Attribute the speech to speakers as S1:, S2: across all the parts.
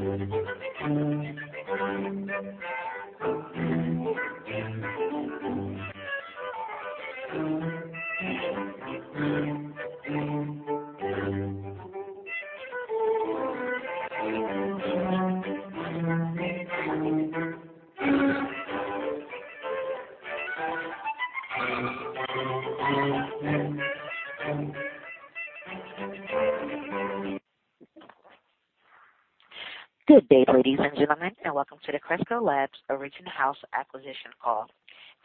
S1: Good day, ladies and gentlemen, and welcome to the Cresco Labs Origin House acquisition call.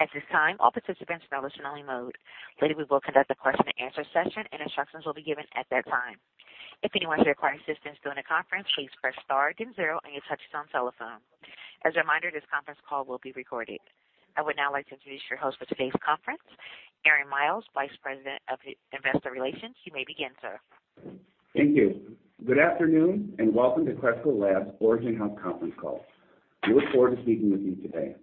S1: At this time, all participants are in listen-only mode. Later, we will conduct a question-and-answer session, and instructions will be given at that time. If anyone requires assistance during the conference, please press star then zero on your touchtone telephone. As a reminder, this conference call will be recorded. I would now like to introduce your host for today's conference, Aaron Miles, Vice President of Investor Relations. You may begin, sir.
S2: Thank you. Good afternoon, and welcome to Cresco Labs Origin House conference call. We look forward to speaking with you today.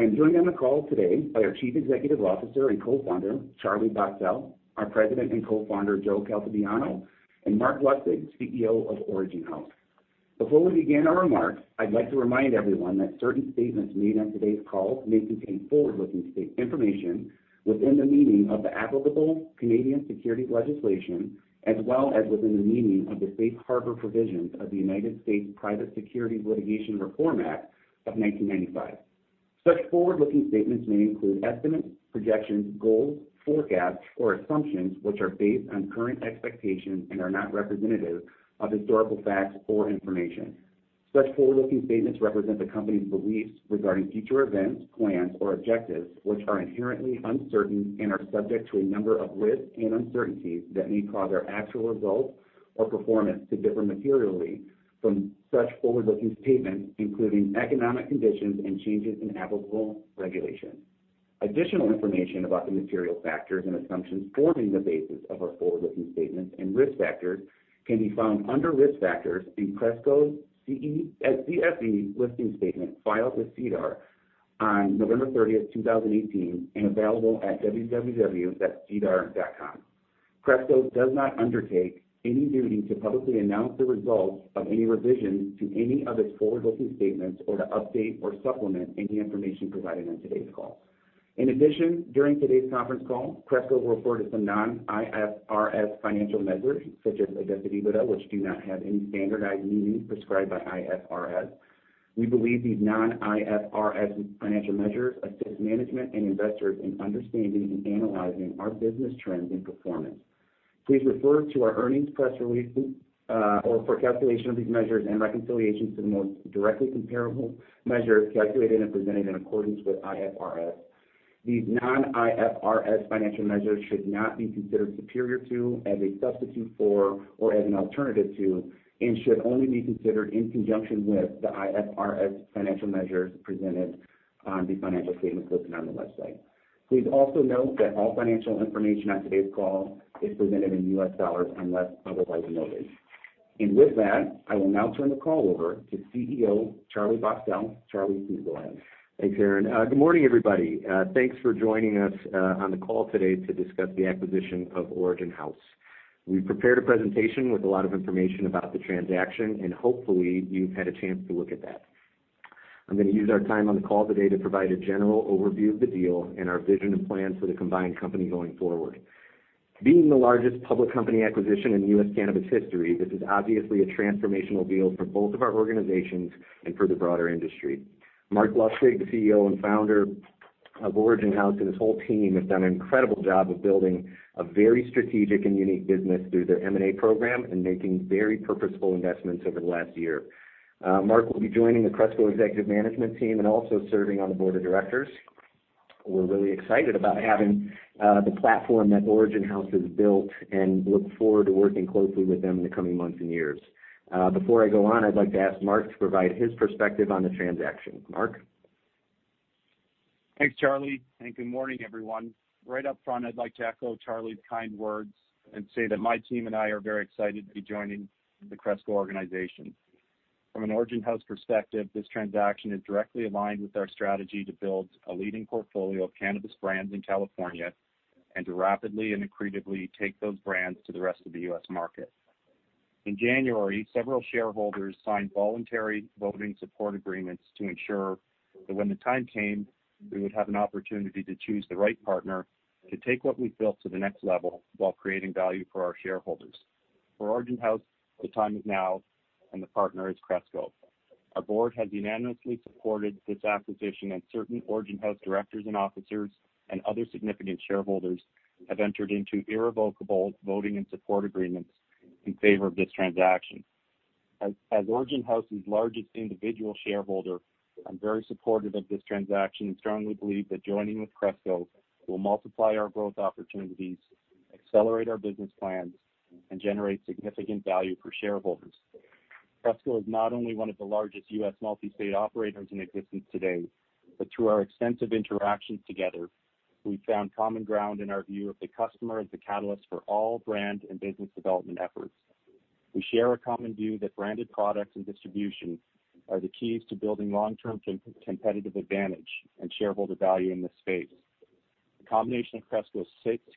S2: I'm joined on the call today by our Chief Executive Officer and Co-founder, Charlie Bachtell; our President and Co-founder, Joe Caltabiano; and Marc Lustig, CEO of Origin House. Before we begin our remarks, I'd like to remind everyone that certain statements made on today's call may contain forward-looking statements information within the meaning of the applicable Canadian securities legislation, as well as within the meaning of the Safe Harbor provisions of the United States Private Securities Litigation Reform Act of 1995. Such forward-looking statements may include estimates, projections, goals, forecasts, or assumptions, which are based on current expectations and are not representative of historical facts or information. Such forward-looking statements represent the company's beliefs regarding future events, plans, or objectives, which are inherently uncertain and are subject to a number of risks and uncertainties that may cause our actual results or performance to differ materially from such forward-looking statements, including economic conditions and changes in applicable regulation. Additional information about the material factors and assumptions forming the basis of our forward-looking statements and risk factors can be found under Risk Factors in Cresco's CSE Listing Statement filed with SEDAR on November 30th 2018, and available at www.sedar.com. Cresco does not undertake any duty to publicly announce the results of any revisions to any of its forward-looking statements or to update or supplement any information provided on today's call. In addition, during today's conference call, Cresco will refer to some non-IFRS financial measures, such as Adjusted EBITDA, which do not have any standardized meaning prescribed by IFRS. We believe these non-IFRS financial measures assist management and investors in understanding and analyzing our business trends and performance. Please refer to our earnings press release or for calculation of these measures and reconciliations to the most directly comparable measures calculated and presented in accordance with IFRS. These non-IFRS financial measures should not be considered superior to, as a substitute for, or as an alternative to, and should only be considered in conjunction with the IFRS financial measures presented on the financial statements listed on the website. Please also note that all financial information on today's call is presented in U.S. dollars, unless otherwise noted. With that, I will now turn the call over to CEO Charlie Bachtell. Charlie, please go ahead.
S3: Thanks, Aaron. Good morning, everybody. Thanks for joining us on the call today to discuss the acquisition of Origin House. We've prepared a presentation with a lot of information about the transaction, and hopefully, you've had a chance to look at that. I'm going to use our time on the call today to provide a general overview of the deal and our vision and plans for the combined company going forward. Being the largest public company acquisition in U.S. cannabis history, this is obviously a transformational deal for both of our organizations and for the broader industry. Marc Lustig, the CEO and founder of Origin House, and his whole team, have done an incredible job of building a very strategic and unique business through their M&A program and making very purposeful investments over the last year. Marc will be joining the Cresco executive management team and also serving on the board of directors. We're really excited about having the platform that Origin House has built and look forward to working closely with them in the coming months and years. Before I go on, I'd like to ask Marc to provide his perspective on the transaction. Marc?
S4: Thanks, Charlie, and good morning, everyone. Right up front, I'd like to echo Charlie's kind words and say that my team and I are very excited to be joining the Cresco organization. From an Origin House perspective, this transaction is directly aligned with our strategy to build a leading portfolio of cannabis brands in California and to rapidly and accretively take those brands to the rest of the U.S. market. In January, several shareholders signed voluntary voting support agreements to ensure that when the time came, we would have an opportunity to choose the right partner to take what we've built to the next level while creating value for our shareholders. For Origin House, the time is now, and the partner is Cresco. Our board has unanimously supported this acquisition, and certain Origin House directors and officers and other significant shareholders have entered into irrevocable voting and support agreements in favor of this transaction. As Origin House's largest individual shareholder, I'm very supportive of this transaction and strongly believe that joining with Cresco will multiply our growth opportunities, accelerate our business plans, and generate significant value for shareholders. Cresco is not only one of the largest U.S. multi-state operators in existence today, but through our extensive interactions together, we found common ground in our view of the customer as the catalyst for all brand and business development efforts. We share a common view that branded products and distribution are the keys to building long-term competitive advantage and shareholder value in this space.... The combination of Cresco's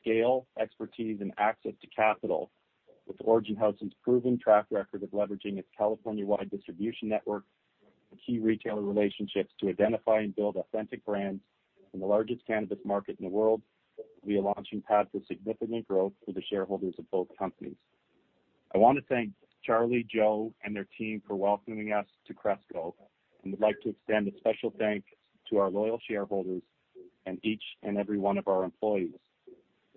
S4: scale, expertise, and access to capital, with Origin House's proven track record of leveraging its California-wide distribution network and key retailer relationships to identify and build authentic brands in the largest cannabis market in the world, will be a launching pad to significant growth for the shareholders of both companies. I want to thank Charlie, Joe, and their team for welcoming us to Cresco, and would like to extend a special thanks to our loyal shareholders and each and every one of our employees.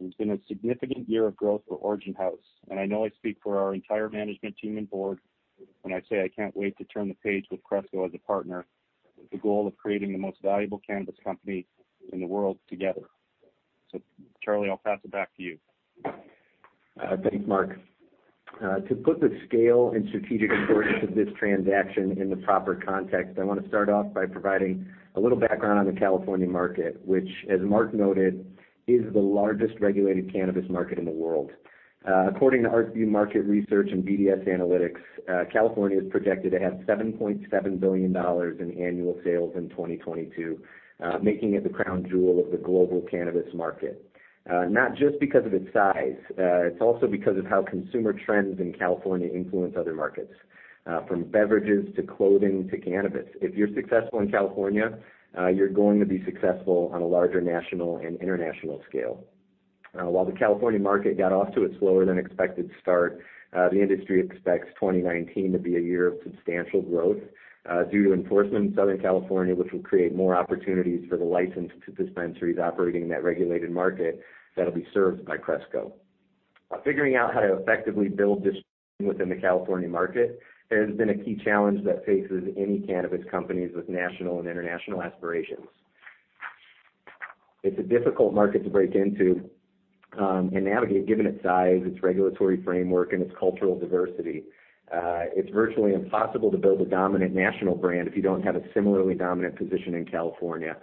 S4: It's been a significant year of growth for Origin House, and I know I speak for our entire management team and board when I say I can't wait to turn the page with Cresco as a partner, with the goal of creating the most valuable cannabis company in the world together. So Charlie, I'll pass it back to you.
S3: Thanks, Marc. To put the scale and strategic importance of this transaction in the proper context, I want to start off by providing a little background on the California market, which, as Marc noted, is the largest regulated cannabis market in the world. According to ArcView Market Research and BDS Analytics, California is projected to have $7.7 billion in annual sales in 2022, making it the crown jewel of the global cannabis market. Not just because of its size, it's also because of how consumer trends in California influence other markets. From beverages, to clothing, to cannabis, if you're successful in California, you're going to be successful on a larger national and international scale. While the California market got off to a slower-than-expected start, the industry expects 2019 to be a year of substantial growth, due to enforcement in Southern California, which will create more opportunities for the licensed dispensaries operating in that regulated market that'll be served by Cresco. Figuring out how to effectively build distribution within the California market has been a key challenge that faces any cannabis companies with national and international aspirations. It's a difficult market to break into, and navigate, given its size, its regulatory framework, and its cultural diversity. It's virtually impossible to build a dominant national brand if you don't have a similarly dominant position in California.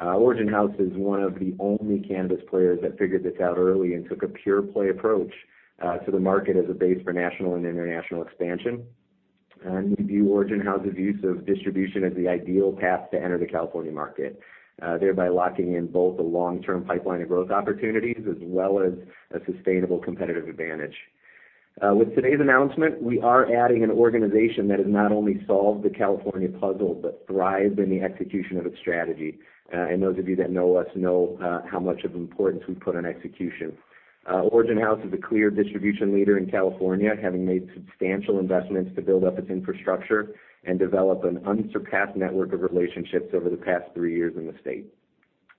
S3: Origin House is one of the only cannabis players that figured this out early and took a pure-play approach, to the market as a base for national and international expansion. We view Origin House's use of distribution as the ideal path to enter the California market, thereby locking in both a long-term pipeline of growth opportunities, as well as a sustainable competitive advantage. With today's announcement, we are adding an organization that has not only solved the California puzzle, but thrived in the execution of its strategy. Those of you that know us know how much of importance we put on execution. Origin House is a clear distribution leader in California, having made substantial investments to build up its infrastructure and develop an unsurpassed network of relationships over the past three years in the state.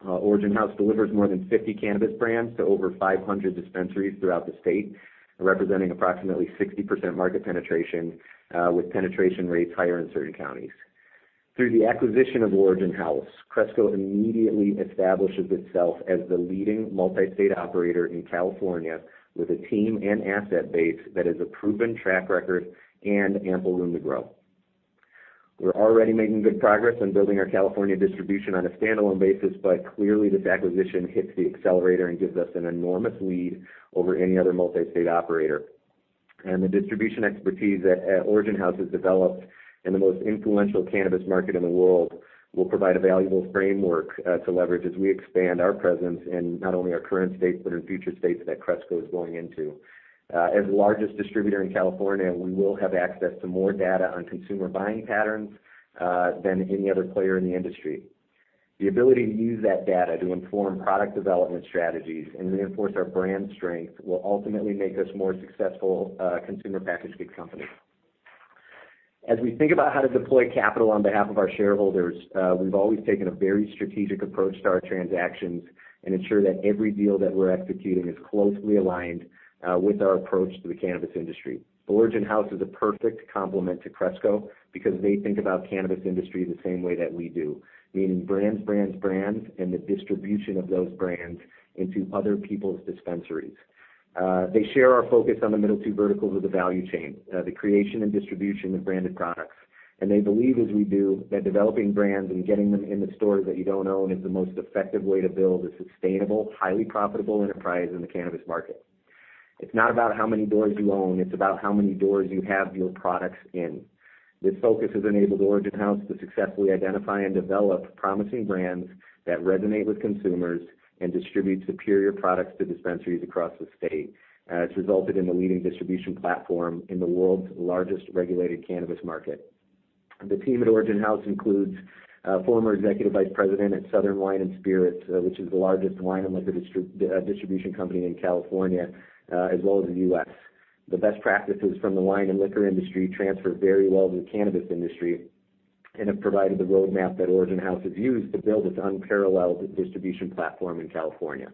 S3: Origin House delivers more than 50 cannabis brands to over 500 dispensaries throughout the state, representing approximately 60% market penetration, with penetration rates higher in certain counties. Through the acquisition of Origin House, Cresco immediately establishes itself as the leading multi-state operator in California, with a team and asset base that has a proven track record and ample room to grow. We're already making good progress in building our California distribution on a standalone basis, but clearly, this acquisition hits the accelerator and gives us an enormous lead over any other multi-state operator, and the distribution expertise that Origin House has developed in the most influential cannabis market in the world, will provide a valuable framework to leverage as we expand our presence in not only our current states, but in future states that Cresco is going into. As the largest distributor in California, we will have access to more data on consumer buying patterns than any other player in the industry. The ability to use that data to inform product development strategies and reinforce our brand strength will ultimately make us a more successful consumer packaged goods company. As we think about how to deploy capital on behalf of our shareholders, we've always taken a very strategic approach to our transactions and ensure that every deal that we're executing is closely aligned with our approach to the cannabis industry. Origin House is a perfect complement to Cresco because they think about cannabis industry the same way that we do, meaning brands, brands, brands, and the distribution of those brands into other people's dispensaries. They share our focus on the middle two verticals of the value chain, the creation and distribution of branded products. They believe, as we do, that developing brands and getting them in the stores that you don't own, is the most effective way to build a sustainable, highly profitable enterprise in the cannabis market. It's not about how many doors you own, it's about how many doors you have your products in. This focus has enabled Origin House to successfully identify and develop promising brands that resonate with consumers and distribute superior products to dispensaries across the state. It's resulted in the leading distribution platform in the world's largest regulated cannabis market. The team at Origin House includes a former executive vice president at Southern Wine & Spirits, which is the largest wine and liquor distribution company in California, as well as the U.S. The best practices from the wine and liquor industry transfer very well to the cannabis industry, and have provided the roadmap that Origin House has used to build its unparalleled distribution platform in California.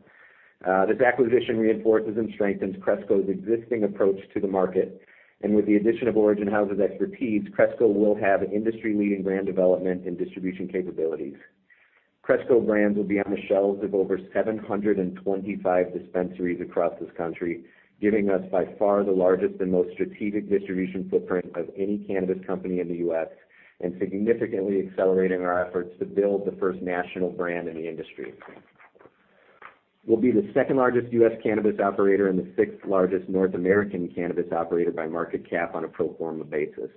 S3: This acquisition reinforces and strengthens Cresco's existing approach to the market, and with the addition of Origin House's expertise, Cresco will have industry-leading brand development and distribution capabilities. Cresco brands will be on the shelves of over 725 dispensaries across this country, giving us by far the largest and most strategic distribution footprint of any cannabis company in the U.S., and significantly accelerating our efforts to build the first national brand in the industry. We'll be the second-largest U.S. cannabis operator, and the sixth largest North American cannabis operator by market cap on a pro forma basis.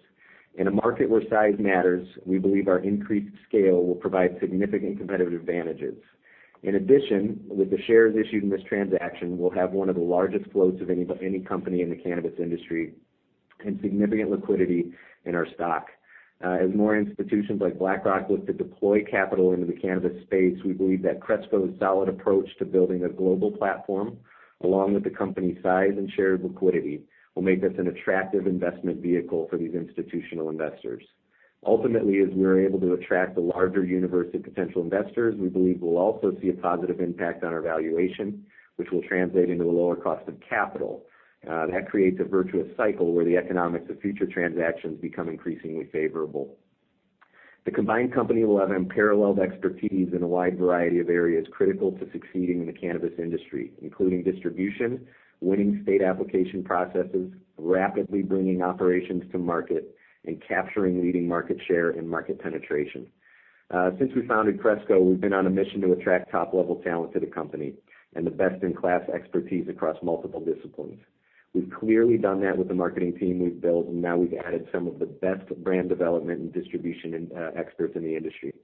S3: In a market where size matters, we believe our increased scale will provide significant competitive advantages. In addition, with the shares issued in this transaction, we'll have one of the largest floats of any company in the cannabis industry and significant liquidity in our stock. As more institutions like BlackRock look to deploy capital into the cannabis space, we believe that Cresco's solid approach to building a global platform, along with the company's size and share liquidity, will make us an attractive investment vehicle for these institutional investors. Ultimately, as we are able to attract a larger universe of potential investors, we believe we'll also see a positive impact on our valuation, which will translate into a lower cost of capital. That creates a virtuous cycle where the economics of future transactions become increasingly favorable. The combined company will have unparalleled expertise in a wide variety of areas critical to succeeding in the cannabis industry, including distribution, winning state application processes, rapidly bringing operations to market, and capturing leading market share and market penetration. Since we founded Cresco, we've been on a mission to attract top-level talent to the company and the best-in-class expertise across multiple disciplines. We've clearly done that with the marketing team we've built, and now we've added some of the best brand development and distribution experts in the industry.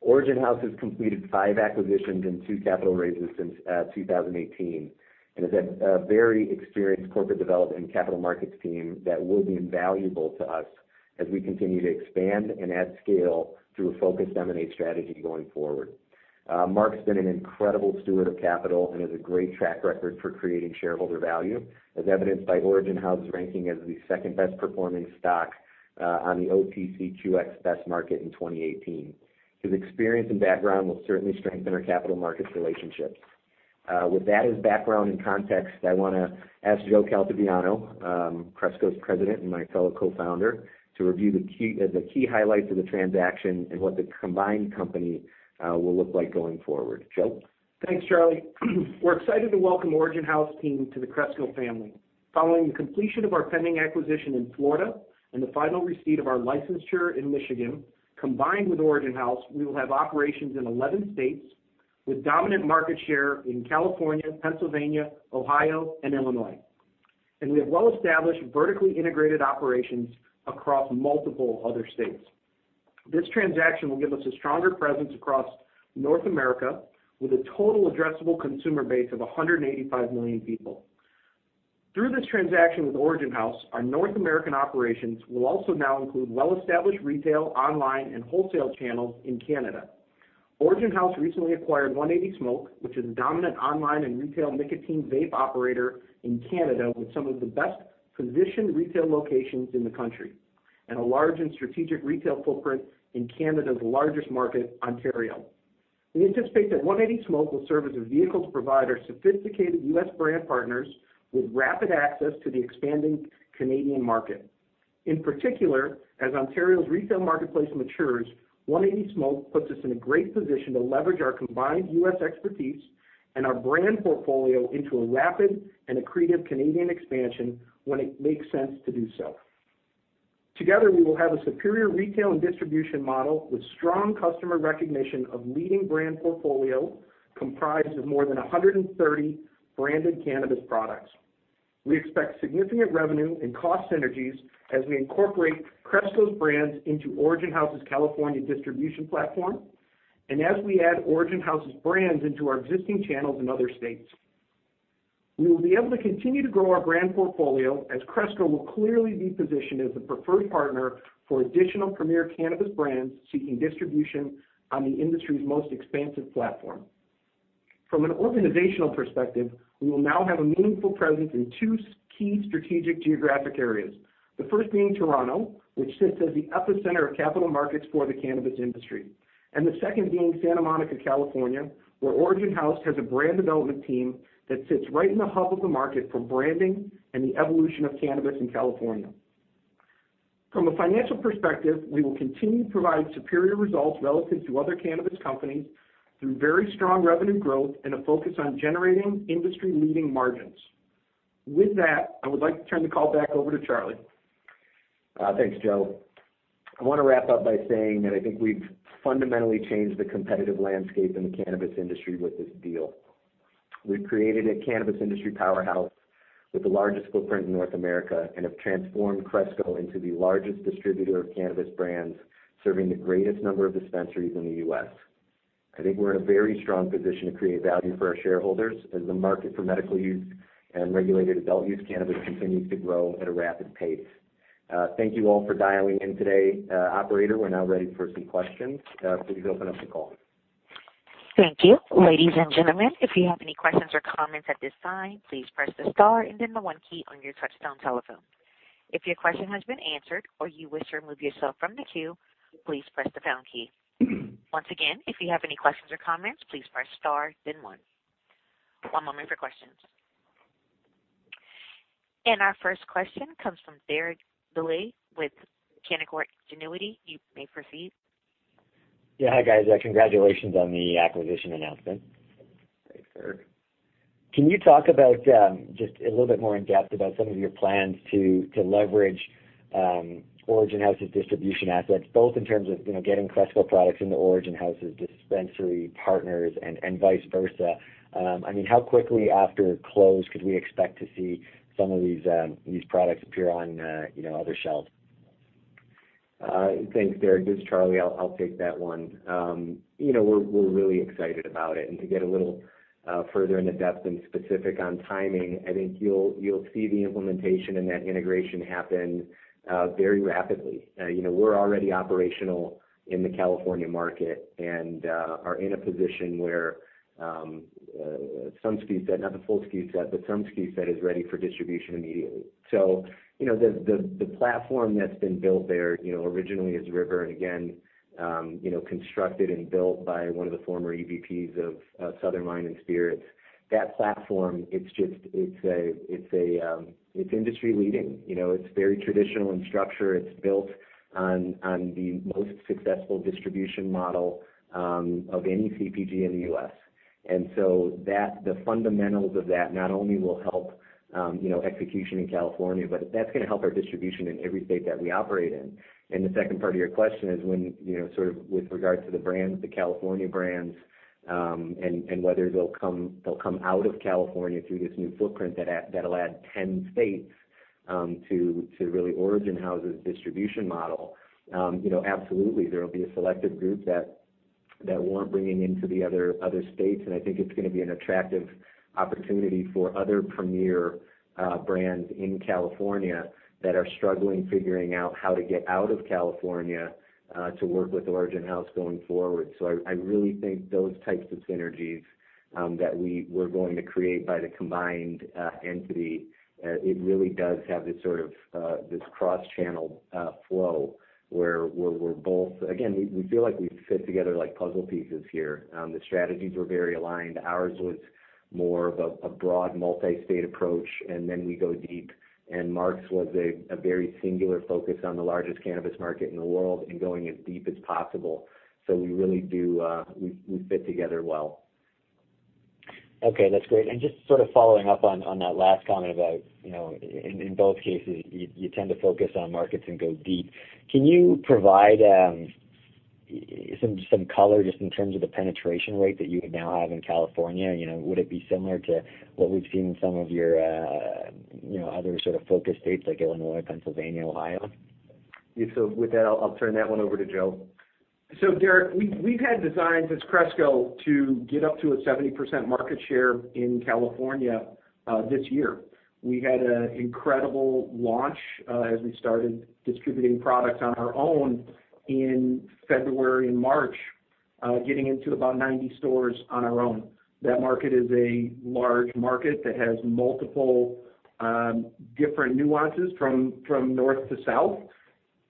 S3: Origin House has completed five acquisitions and two capital raises since 2018, and has had a very experienced corporate development and capital markets team that will be invaluable to us as we continue to expand and add scale through a focused M&A strategy going forward. Marc's been an incredible steward of capital and has a great track record for creating shareholder value, as evidenced by Origin House's ranking as the second best-performing stock on the OTCQX Best Market in 2018. His experience and background will certainly strengthen our capital markets relationships. With that as background and context, I want to ask Joe Caltabiano, Cresco's president and my fellow co-founder, to review the key highlights of the transaction and what the combined company will look like going forward. Joe?
S5: Thanks, Charlie. We're excited to welcome Origin House team to the Cresco family. Following the completion of our pending acquisition in Florida and the final receipt of our licensure in Michigan, combined with Origin House, we will have operations in 11 states with dominant market share in California, Pennsylvania, Ohio, and Illinois, and we have well-established, vertically integrated operations across multiple other states. This transaction will give us a stronger presence across North America, with a total addressable consumer base of 185 million people. Through this transaction with Origin House, our North American operations will also now include well-established retail, online, and wholesale channels in Canada. Origin House recently acquired 180 Smoke, which is a dominant online and retail nicotine vape operator in Canada, with some of the best-positioned retail locations in the country, and a large and strategic retail footprint in Canada's largest market, Ontario. We anticipate that 180 Smoke will serve as a vehicle to provide our sophisticated U.S. brand partners with rapid access to the expanding Canadian market. In particular, as Ontario's retail marketplace matures, 180 Smoke puts us in a great position to leverage our combined U.S. expertise and our brand portfolio into a rapid and accretive Canadian expansion when it makes sense to do so. Together, we will have a superior retail and distribution model with strong customer recognition of leading brand portfolio, comprised of more than 130 branded cannabis products. We expect significant revenue and cost synergies as we incorporate Cresco's brands into Origin House's California distribution platform, and as we add Origin House's brands into our existing channels in other states. We will be able to continue to grow our brand portfolio, as Cresco will clearly be positioned as the preferred partner for additional premier cannabis brands seeking distribution on the industry's most expansive platform. From an organizational perspective, we will now have a meaningful presence in two key strategic geographic areas. The first being Toronto, which sits as the epicenter of capital markets for the cannabis industry, and the second being Santa Monica, California, where Origin House has a brand development team that sits right in the hub of the market for branding and the evolution of cannabis in California. From a financial perspective, we will continue to provide superior results relative to other cannabis companies through very strong revenue growth and a focus on generating industry-leading margins. With that, I would like to turn the call back over to Charlie.
S3: Thanks, Joe. I want to wrap up by saying that I think we've fundamentally changed the competitive landscape in the cannabis industry with this deal. We've created a cannabis industry powerhouse with the largest footprint in North America and have transformed Cresco into the largest distributor of cannabis brands, serving the greatest number of dispensaries in the U.S. I think we're in a very strong position to create value for our shareholders as the market for medical use and regulated adult use cannabis continues to grow at a rapid pace. Thank you all for dialing in today. Operator, we're now ready for some questions. Please open up the call.
S1: Thank you. Ladies and gentlemen, if you have any questions or comments at this time, please press the star and then the one key on your touchtone telephone. If your question has been answered or you wish to remove yourself from the queue, please press the pound key. Once again, if you have any questions or comments, please press star then one. One moment for questions. And our first question comes from Derek Dley with Canaccord Genuity. You may proceed.
S6: Yeah. Hi, guys. Congratulations on the acquisition announcement.
S3: Thanks, Derek.
S6: Can you talk about, just a little bit more in depth about some of your plans to leverage Origin House's distribution assets, both in terms of, you know, getting Cresco products into Origin House's dispensary partners and vice versa? I mean, how quickly after close could we expect to see some of these products appear on, you know, other shelves?
S3: Thanks, Derek. This is Charlie. I'll take that one. You know, we're really excited about it, and to get a little further into depth and specific on timing, I think you'll see the implementation and that integration happen very rapidly. You know, we're already operational in the California market and are in a position where some SKU set, not the full SKU set, but some SKU set is ready for distribution immediately. So, you know, the platform that's been built there, you know, originally as River, and again, you know, constructed and built by one of the former EVPs of Southern Wine and Spirits, that platform, it's just a it's industry leading. You know, it's very traditional in structure. It's built on the most successful distribution model of any CPG in the U.S. And so that, the fundamentals of that not only will help, you know, execution in California, but that's gonna help our distribution in every state that we operate in. And the second part of your question is when, you know, sort of with regard to the brands, the California brands, and whether they'll come out of California through this new footprint that'll add 10 states to really Origin House's distribution model. You know, absolutely, there will be a selective group that we're bringing into the other states, and I think it's gonna be an attractive opportunity for other premier brands in California that are struggling, figuring out how to get out of California to work with Origin House going forward. So I really think those types of synergies that we're going to create by the combined entity. It really does have this sort of this cross-channel flow, where we're both... Again, we feel like we fit together like puzzle pieces here. The strategies were very aligned. Ours was more of a broad, multi-state approach, and then we go deep, and Marc's was a very singular focus on the largest cannabis market in the world and going as deep as possible, so we really do, we fit together well.
S6: Okay, that's great. And just sort of following up on that last comment about, you know, in both cases, you tend to focus on markets and go deep. Can you provide some color just in terms of the penetration rate that you now have in California? You know, would it be similar to what we've seen in some of your, you know, other sort of focus states like Illinois, Pennsylvania, Ohio?
S3: Yeah, so with that, I'll turn that one over to Joe.
S5: Derek, we've had designs as Cresco to get up to a 70% market share in California this year. We had an incredible launch as we started distributing product on our own in February and March, getting into about 90 stores on our own. That market is a large market that has multiple different nuances from north to south.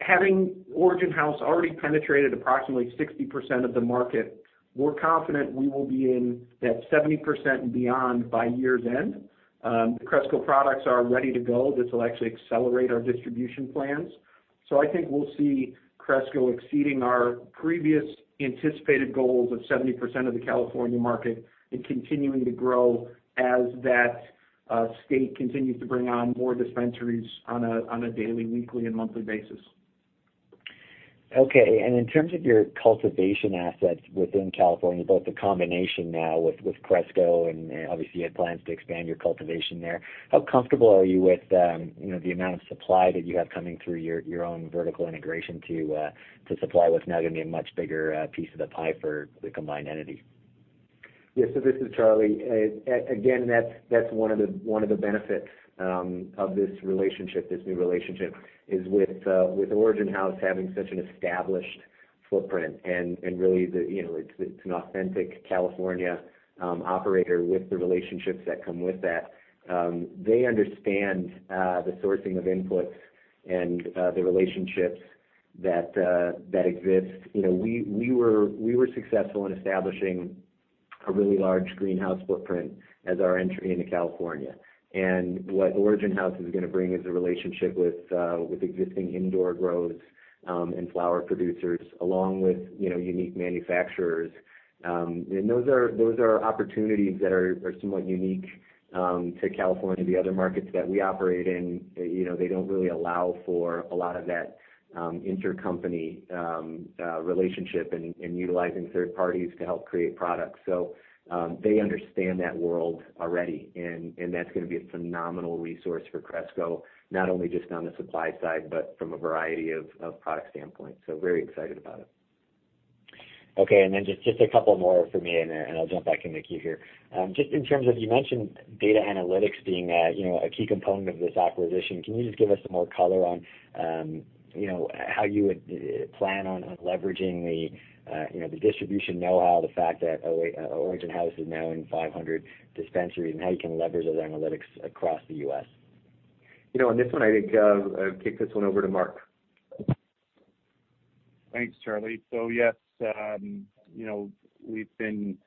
S5: Having Origin House already penetrated approximately 60% of the market, we're confident we will be in that 70% and beyond by year's end. The Cresco products are ready to go. This will actually accelerate our distribution plans. I think we'll see Cresco exceeding our previous anticipated goals of 70% of the California market and continuing to grow as that state continues to bring on more dispensaries on a daily, weekly and monthly basis.
S6: Okay. And in terms of your cultivation assets within California, both the combination now with Cresco, and obviously, you had plans to expand your cultivation there, how comfortable are you with, you know, the amount of supply that you have coming through your own vertical integration to supply what's now going to be a much bigger piece of the pie for the combined entity?
S3: Yeah, so this is Charlie. Again, that's one of the benefits of this relationship, this new relationship, is with Origin House having such an established footprint and really, you know, it's an authentic California operator with the relationships that come with that. They understand the sourcing of inputs and the relationships that exist. You know, we were successful in establishing a really large greenhouse footprint as our entry into California. And what Origin House is gonna bring is a relationship with existing indoor growers and flower producers, along with, you know, unique manufacturers. And those are opportunities that are somewhat unique to California. The other markets that we operate in, you know, they don't really allow for a lot of that, intercompany relationship and utilizing third parties to help create products, so they understand that world already, and that's gonna be a phenomenal resource for Cresco, not only just on the supply side, but from a variety of product standpoint, so very excited about it.
S6: Okay. And then just a couple more for me, and then I'll jump back in the queue here. Just in terms of, you mentioned data analytics being, you know, a key component of this acquisition. Can you just give us some more color on, you know, how you would plan on leveraging the, you know, the distribution know-how, the fact that Origin House is now in 500 dispensaries, and how you can leverage those analytics across the U.S.?
S3: You know, on this one, I think, I'll kick this one over to Marc.
S4: Thanks, Charlie. So yes, you know, we've been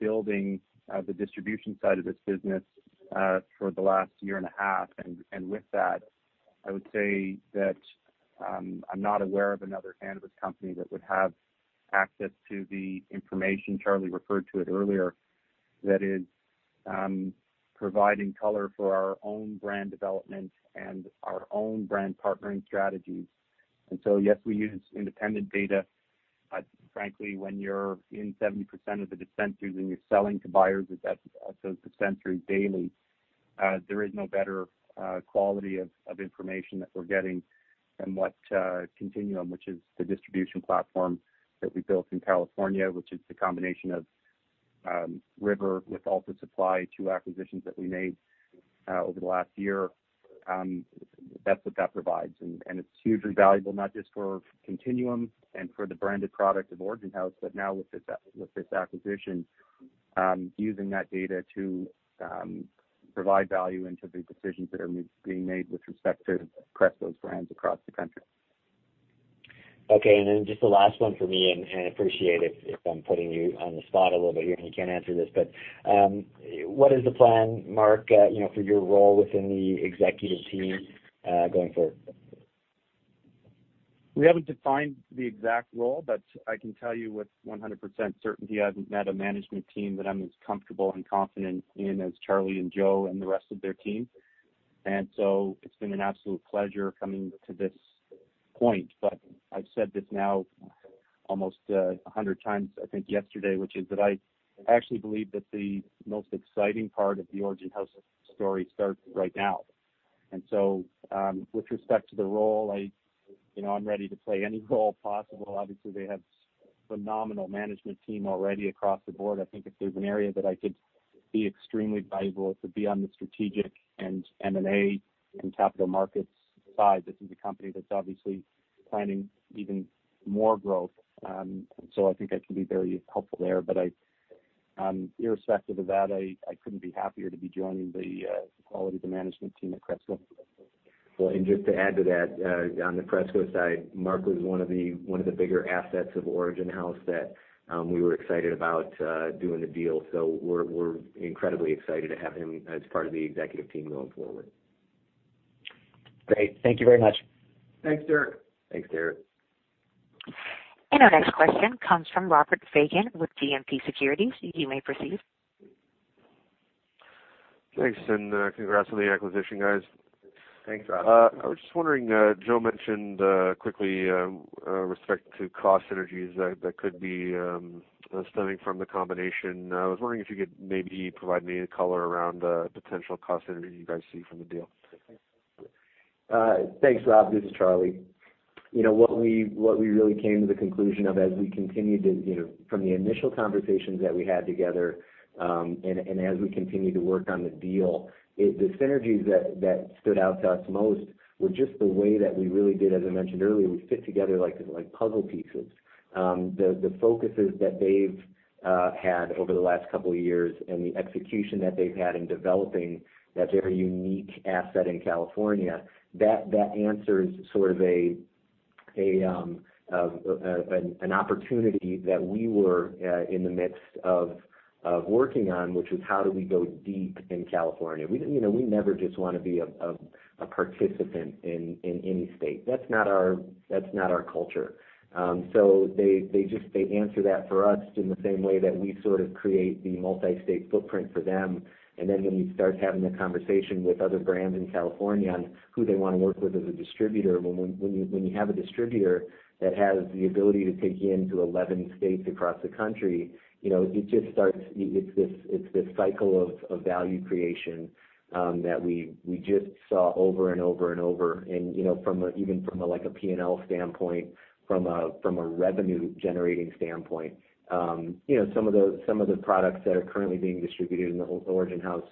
S4: building the distribution side of this business for the last year and a half. And with that, I would say that I'm not aware of another cannabis company that would have access to the information Charlie referred to it earlier, that is providing color for our own brand development and our own brand partnering strategies. And so, yes, we use independent data. But frankly, when you're in 70% of the dispensaries, and you're selling to buyers at that, so dispensaries daily, there is no better quality of information that we're getting than what Continuum, which is the distribution platform that we built in California, which is the combination of River with Alta Supply, two acquisitions that we made over the last year. That's what that provides, and it's hugely valuable, not just for Continuum and for the branded product of Origin House, but now with this acquisition, using that data to provide value into the decisions that are being made with respect to Cresco's brands across the country.
S6: Okay, and then just the last one for me, and I appreciate it if I'm putting you on the spot a little bit here, and you can't answer this. But what is the plan, Marc, you know, for your role within the executive team, going forward?
S4: We haven't defined the exact role, but I can tell you with 100% certainty, I haven't met a management team that I'm as comfortable and confident in as Charlie and Joe and the rest of their team. And so it's been an absolute pleasure coming to this point. But I've said this now almost 100 times, I think yesterday, which is that I actually believe that the most exciting part of the Origin House story starts right now. And so, with respect to the role, you know, I'm ready to play any role possible. Obviously, they have phenomenal management team already across the board. I think if there's an area that I could be extremely valuable, it would be on the strategic and M&A and capital markets side. This is a company that's obviously planning even more growth, so I think I can be very helpful there. But I, irrespective of that, I couldn't be happier to be joining the quality of the management team at Cresco.
S3: Just to add to that, on the Cresco side, Marc was one of the bigger assets of Origin House that we were excited about doing the deal. So we're incredibly excited to have him as part of the executive team going forward.
S6: Great. Thank you very much.
S5: Thanks, Derek.
S3: Thanks, Derek.
S1: Our next question comes from Robert Fagan with GMP Securities. You may proceed.
S7: Thanks, and, congrats on the acquisition, guys.
S3: Thanks, Rob.
S7: I was just wondering, Joe mentioned quickly with respect to cost synergies that could be stemming from the combination. I was wondering if you could maybe provide any color around potential cost synergies you guys see from the deal.
S3: Thanks, Rob. This is Charlie. You know, what we really came to the conclusion of as we continued to, you know, from the initial conversations that we had together, and as we continued to work on the deal, the synergies that stood out to us most were just the way that we really did, as I mentioned earlier, we fit together like puzzle pieces. The focuses that they've had over the last couple of years and the execution that they've had in developing that very unique asset in California, that answers sort of an opportunity that we were in the midst of working on, which was how do we go deep in California? You know, we never just wanna be a participant in any state. That's not our culture, so they just answer that for us in the same way that we sort of create the multi-state footprint for them, and then when you start having a conversation with other brands in California on who they wanna work with as a distributor, when you have a distributor that has the ability to take you into 11 states across the country, you know, it just starts. It's this cycle of value creation that we just saw over and over and over. You know, even from a like a P&L standpoint, from a revenue-generating standpoint, you know, some of those, some of the products that are currently being distributed in the Origin House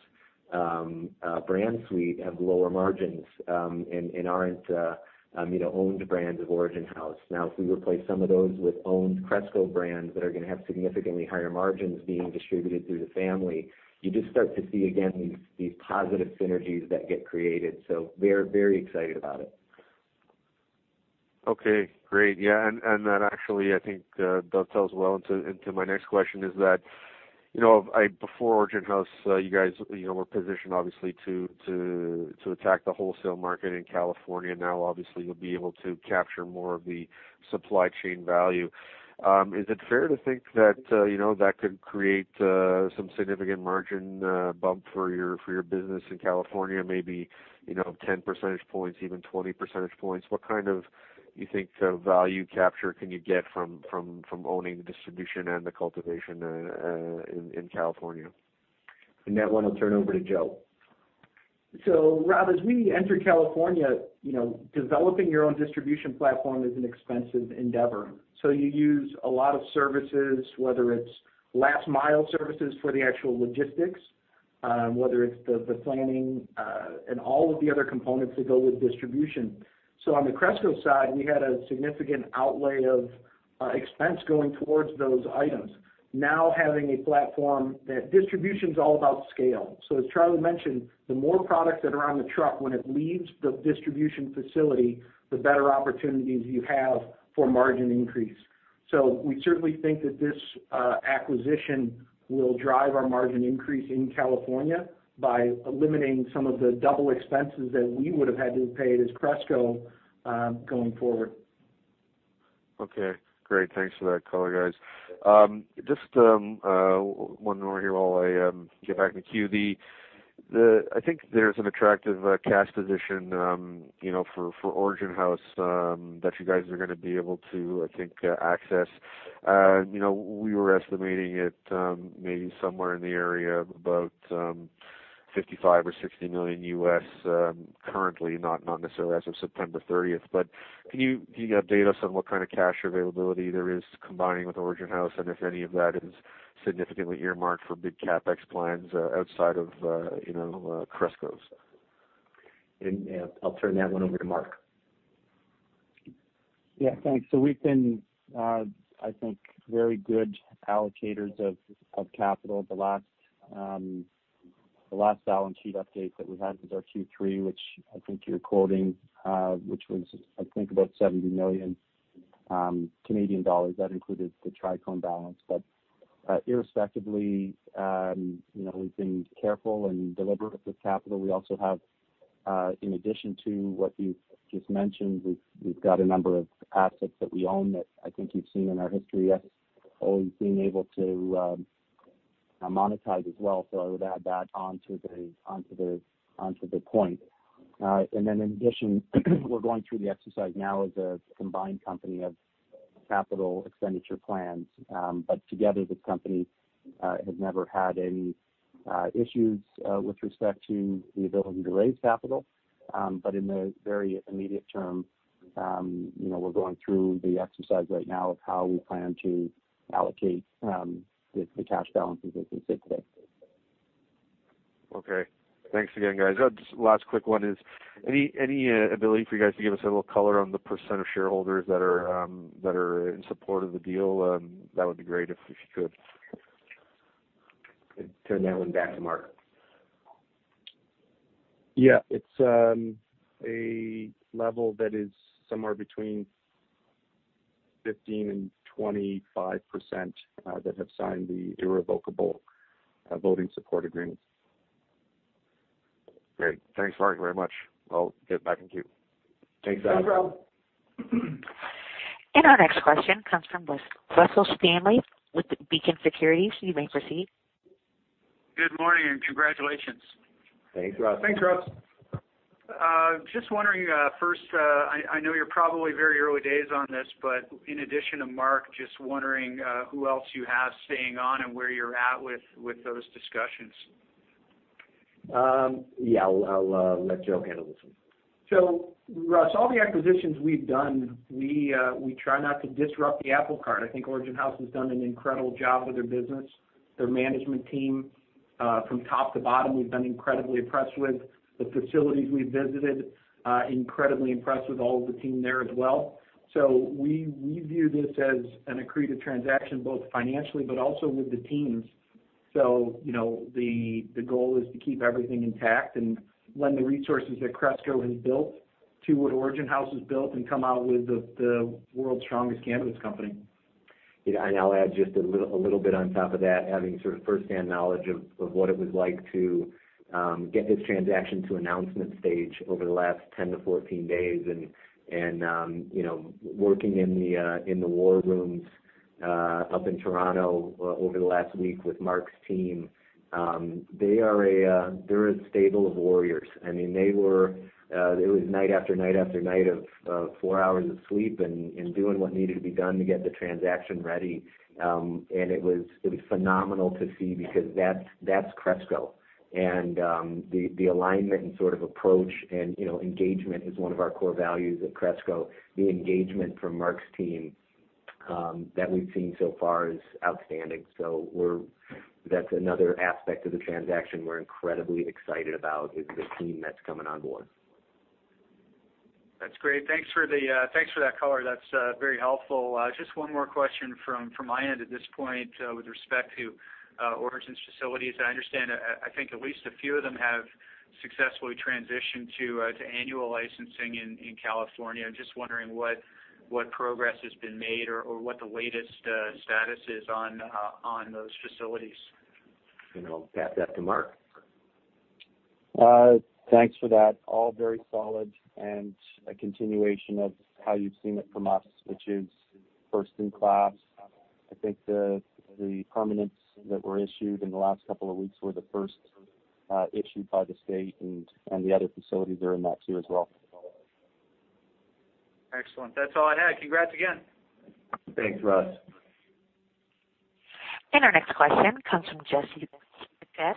S3: brand suite have lower margins, and aren't, you know, owned brands of Origin House. Now, if we replace some of those with owned Cresco brands that are gonna have significantly higher margins being distributed through the family, you just start to see again these positive synergies that get created. We're very excited about it.
S7: Okay, great. Yeah, and that actually, I think, dovetails well into my next question, is that, you know, Before Origin House, you guys, you know, were positioned obviously, to attack the wholesale market in California. Now, obviously, you'll be able to capture more of the supply chain value. Is it fair to think that, you know, that could create some significant margin bump for your business in California, maybe, you know, 10 percentage points, even 20 percentage points? What kind of value capture can you get from owning the distribution and the cultivation in California?
S3: That one, I'll turn over to Joe.
S5: So, Rob, as we enter California, you know, developing your own distribution platform is an expensive endeavor. So you use a lot of services, whether it's last mile services for the actual logistics, whether it's the planning, and all of the other components that go with distribution. So on the Cresco side, we had a significant outlay of expense going towards those items. Now, having a platform that distribution's all about scale. So as Charlie mentioned, the more products that are on the truck when it leaves the distribution facility, the better opportunities you have for margin increase. So we certainly think that this acquisition will drive our margin increase in California by eliminating some of the double expenses that we would have had to have paid as Cresco, going forward.
S7: Okay, great. Thanks for that color, guys. Just one more here while I get back to the queue. I think there's an attractive cash position, you know, for Origin House, that you guys are gonna be able to, I think, access. You know, we were estimating it, maybe somewhere in the area of about $55-$60 million, currently, not necessarily as of September thirtieth. But can you update us on what kind of cash availability there is combining with Origin House, and if any of that is significantly earmarked for big CapEx plans, outside of, you know, Cresco's?
S3: Yeah, I'll turn that one over to Marc.
S4: Yeah, thanks. So we've been, I think, very good allocators of capital. The last balance sheet update that we had was our Q3, which I think you're quoting, which was, I think, about 70 million Canadian dollars. That included the Trichome balance. But, irrespectively, you know, we've been careful and deliberate with capital. We also have, in addition to what you've just mentioned, we've got a number of assets that we own that I think you've seen in our history as always being able to monetize as well. So I would add that onto the point. And then in addition, we're going through the exercise now as a combined company of capital expenditure plans. But together, the company has never had any issues with respect to the ability to raise capital. But in the very immediate term, you know, we're going through the exercise right now of how we plan to allocate the cash balances, as you said today.
S7: Okay. Thanks again, guys. Just last quick one is, any ability for you guys to give us a little color on the percent of shareholders that are in support of the deal? That would be great if you could.
S3: I turn that one back to Marc.
S4: Yeah. It's a level that is somewhere between 15% and 25% that have signed the irrevocable voting support agreement.
S7: Great. Thanks, Marc, very much. I'll get back in queue.
S3: Thanks, Rob.
S5: No problem.
S1: Our next question comes from Russ, Russell Stanley with Beacon Securities. You may proceed.
S8: Good morning, and congratulations.
S3: Thanks, Russ.
S4: Thanks, Russ.
S8: Just wondering, first, I know you're probably very early days on this, but in addition to Marc, just wondering, who else you have staying on and where you're at with those discussions?
S3: Yeah, I'll let Joe handle this one.
S5: So Russ, all the acquisitions we've done, we, we try not to disrupt the apple cart. I think Origin House has done an incredible job with their business. Their management team, from top to bottom, we've been incredibly impressed with. The facilities we've visited, incredibly impressed with all of the team there as well. So we, we view this as an accretive transaction, both financially but also with the teams. So, you know, the, the goal is to keep everything intact and lend the resources that Cresco has built to what Origin House has built and come out with the, the world's strongest cannabis company.
S3: Yeah, and I'll add just a little, a little bit on top of that. Having sort of firsthand knowledge of what it was like to get this transaction to announcement stage over the last 10-14 days, and you know, working in the war rooms up in Toronto over the last week with Marc's team. They are a stable of warriors. I mean, they were. It was night after night after night of 4 hours of sleep and doing what needed to be done to get the transaction ready. And it was, it was phenomenal to see because that's, that's Cresco. And the alignment and sort of approach and, you know, engagement is one of our core values at Cresco. The engagement from Marc's team that we've seen so far is outstanding. That's another aspect of the transaction we're incredibly excited about, is the team that's coming on board.
S8: That's great. Thanks for the, thanks for that color. That's very helpful. Just one more question from my end at this point, with respect to Origin's facilities. I understand, I think at least a few of them have successfully transitioned to annual licensing in California. I'm just wondering what progress has been made or what the latest status is on those facilities?
S3: I'll pass that to Marc.
S4: Thanks for that. All very solid and a continuation of how you've seen it from us, which is first in class. I think the permits that were issued in the last couple of weeks were the first issued by the state, and the other facilities are in that, too, as well.
S8: Excellent. That's all I had. Congrats again.
S3: Thanks, Russ.
S1: Our next question comes from Jesse Pytlak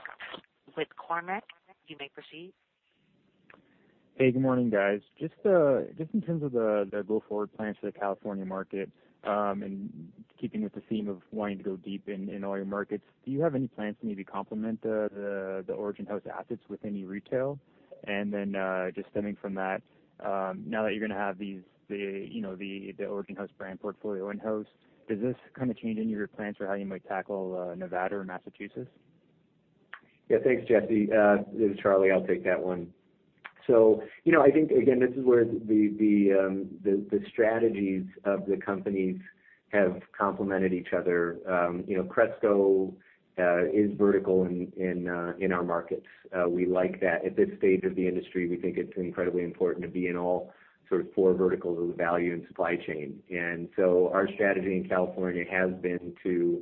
S1: with Cormark. You may proceed.
S9: Hey, good morning, guys. Just in terms of the go-forward plans for the California market, and keeping with the theme of wanting to go deep in all your markets, do you have any plans to maybe complement the Origin House assets with any retail? And then, just stemming from that, now that you're gonna have these, you know, the Origin House brand portfolio in-house, does this kind of change any of your plans for how you might tackle Nevada or Massachusetts?
S3: Yeah. Thanks, Jesse. This is Charlie. I'll take that one. So, you know, I think, again, this is where the strategies of the companies have complemented each other. You know, Cresco is vertical in our markets. We like that. At this stage of the industry, we think it's incredibly important to be in all sort of four verticals of the value and supply chain. And so our strategy in California has been to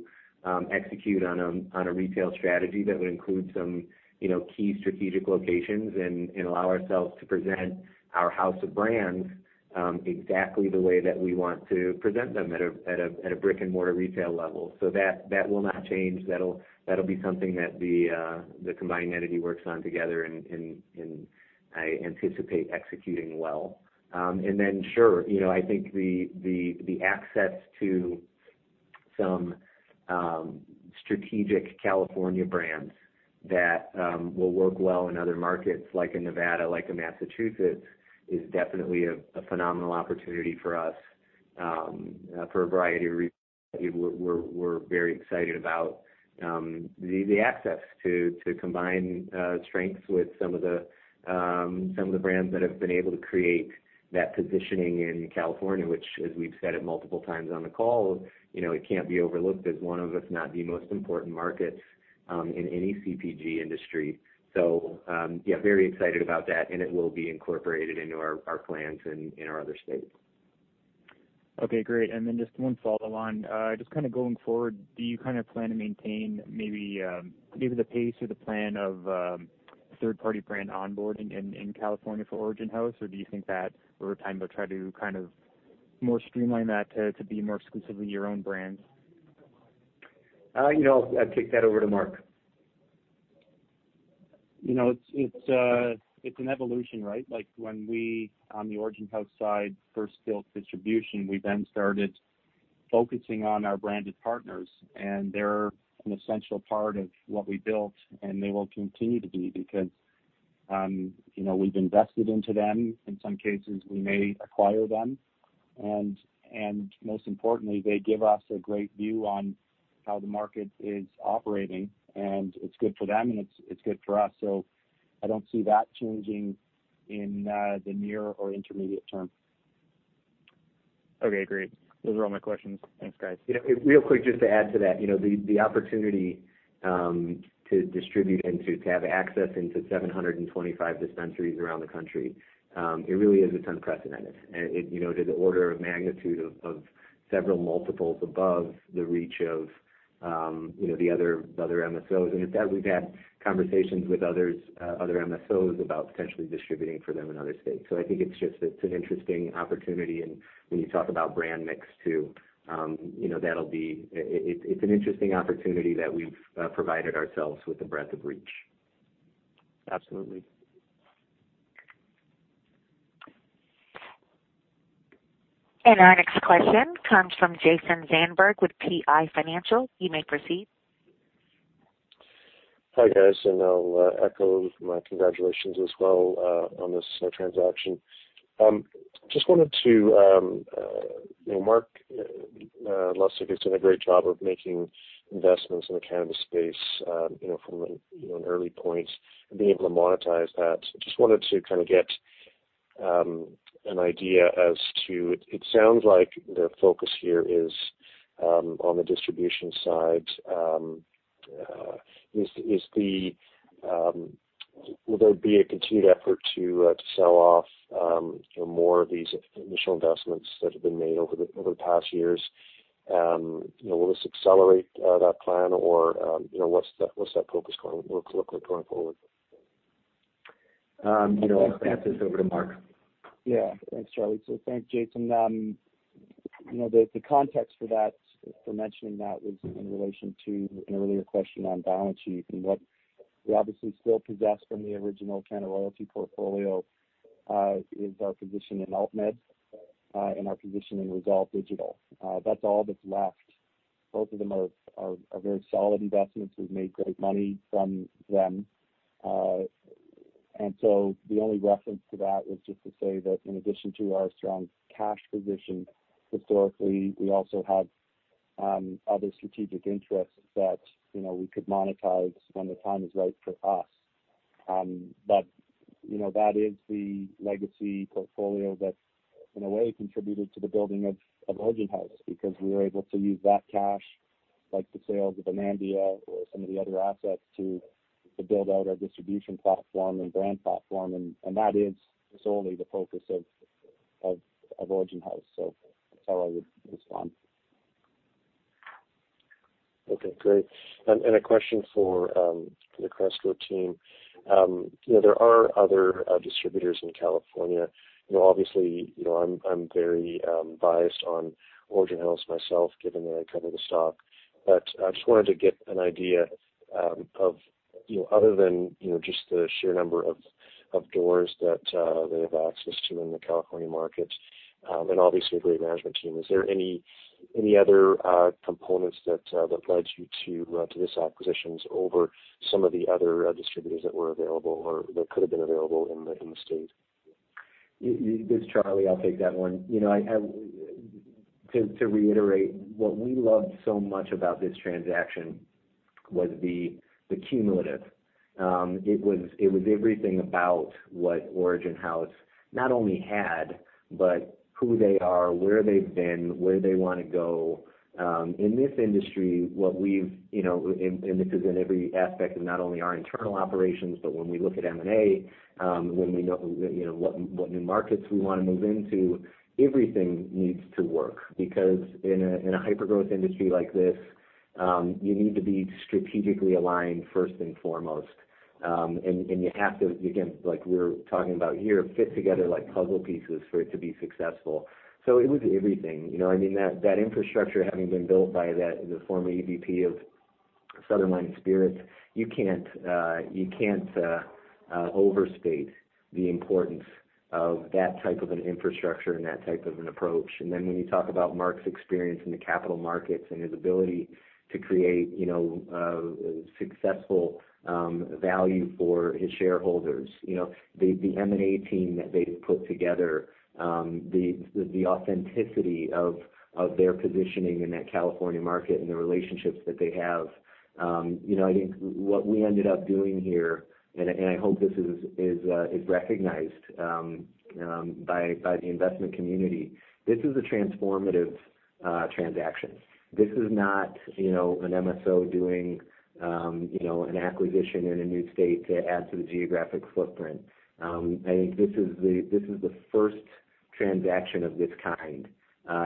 S3: execute on a retail strategy that would include some, you know, key strategic locations and allow ourselves to present our house of brands- exactly the way that we want to present them at a brick-and-mortar retail level. So that will not change. That'll be something that the combining entity works on together, and I anticipate executing well. And then sure, you know, I think the access to some strategic California brands that will work well in other markets, like in Nevada, like in Massachusetts, is definitely a phenomenal opportunity for us, for a variety of reasons. We're very excited about the access to combine strengths with some of the brands that have been able to create that positioning in California, which, as we've said it multiple times on the call, you know, it can't be overlooked as one of, if not the most important markets, in any CPG industry. Yeah, very excited about that, and it will be incorporated into our plans in our other states.
S9: Okay, great. And then just one follow on. Just kind of going forward, do you kind of plan to maintain maybe the pace or the plan of third-party brand onboarding in California for Origin House? Or do you think that over time, they'll try to kind of more streamline that to be more exclusively your own brands?
S3: You know, I'll kick that over to Marc.
S4: You know, it's an evolution, right? Like, when we, on the Origin House side, first built distribution, we then started focusing on our branded partners, and they're an essential part of what we built, and they will continue to be because, you know, we've invested into them. In some cases, we may acquire them. And most importantly, they give us a great view on how the market is operating, and it's good for them, and it's good for us. So I don't see that changing in the near or intermediate term.
S9: Okay, great. Those are all my questions. Thanks, guys.
S3: Yeah, real quick, just to add to that, you know, the opportunity to distribute and to have access into 725 dispensaries around the country. It really is unprecedented. And it, you know, to the order of magnitude of several multiples above the reach of, you know, the other MSOs. And in fact, we've had conversations with others, other MSOs about potentially distributing for them in other states. So I think it's just an interesting opportunity, and when you talk about brand mix, too, you know, that'll be. It is an interesting opportunity that we've provided ourselves with the breadth of reach.
S9: Absolutely.
S1: Our next question comes from Jason Zandberg with PI Financial. You may proceed.
S10: Hi, guys, and I'll echo my congratulations as well on this transaction. Just wanted to you know, Marc Lustig has done a great job of making investments in the cannabis space, you know, from an early point and being able to monetize that. Just wanted to kind of get an idea as to... It sounds like the focus here is on the distribution side. Will there be a continued effort to sell off you know, more of these initial investments that have been made over the past years? You know, will this accelerate that plan or you know, what's that focus going look like going forward?
S3: You know, I'll pass this over to Marc.
S4: Yeah. Thanks, Charlie. So thanks, Jason. You know, the context for that, for mentioning that was in relation to an earlier question on balance sheet and what we obviously still possess from the original CannaRoyalty portfolio, is our position in AltMed, and our position in Resolve Digital. That's all that's left. Both of them are very solid investments. We've made great money from them. And so the only reference to that was just to say that in addition to our strong cash position, historically, we also have other strategic interests that, you know, we could monetize when the time is right for us. But, you know, that is the legacy portfolio that, in a way, contributed to the building of Origin House, because we were able to use that cash, like the sale of Anandia or some of the other assets, to build out our distribution platform and brand platform. And that is solely the focus of Origin House, so that's how I would respond.
S10: Okay, great. And a question for the Cresco team. You know, there are other distributors in California. You know, obviously, you know, I'm very biased on Origin House myself, given that I cover the stock. But I just wanted to get an idea of, you know, other than, you know, just the sheer number of doors that they have access to in the California market, and obviously a great management team, is there any other components that led you to this acquisition over some of the other distributors that were available or that could have been available in the state?
S3: This is Charlie. I'll take that one. You know, to reiterate, what we loved so much about this transaction was the cumulative. It was everything about what Origin House not only had, but who they are, where they've been, where they want to go. In this industry, what we've, you know, and this is in every aspect of not only our internal operations, but when we look at M&A, when we know, you know, what new markets we want to move into, everything needs to work. Because in a hyper-growth industry like this, you need to be strategically aligned first and foremost, and you have to, again, like we were talking about here, fit together like puzzle pieces for it to be successful. So it was everything. You know, I mean, that, that infrastructure, having been built by that, the former EVP of Southern Wine & Spirits, you can't overstate the importance of that type of an infrastructure and that type of an approach. And then when you talk about Marc's experience in the capital markets and his ability to create, you know, successful value for his shareholders, you know, the M&A team that they've put together, the authenticity of their positioning in that California market and the relationships that they have, you know, I think what we ended up doing here, and I hope this is recognized by the investment community, this is a transformative transaction. This is not, you know, an MSO doing, you know, an acquisition in a new state to add to the geographic footprint. I think this is the first transaction of this kind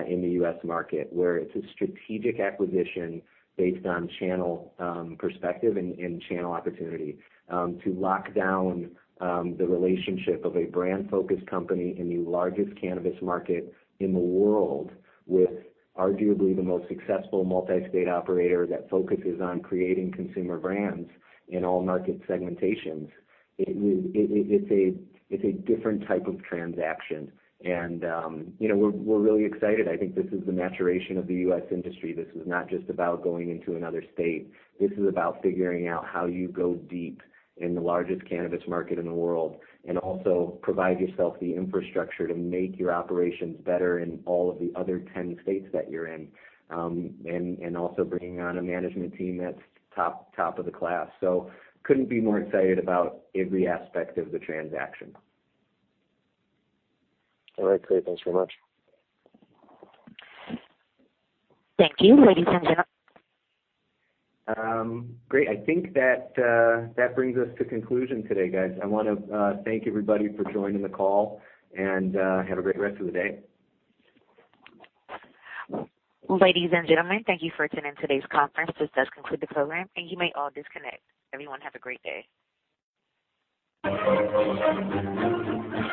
S3: in the U.S. market, where it's a strategic acquisition based on channel perspective and channel opportunity to lock down the relationship of a brand-focused company in the largest cannabis market in the world, with arguably the most successful multi-state operator that focuses on creating consumer brands in all market segmentations. It's a different type of transaction, and you know, we're really excited. I think this is the maturation of the U.S. industry. This is not just about going into another state. This is about figuring out how you go deep in the largest cannabis market in the world, and also provide yourself the infrastructure to make your operations better in all of the other ten states that you're in, and also bringing on a management team that's top, top of the class, so couldn't be more excited about every aspect of the transaction.
S10: All right, great. Thanks very much.
S1: Thank you. Ladies and gentlemen-
S3: Great. I think that that brings us to conclusion today, guys. I want to thank everybody for joining the call, and have a great rest of the day.
S1: Ladies and gentlemen, thank you for attending today's conference. This does conclude the program, and you may all disconnect. Everyone, have a great day.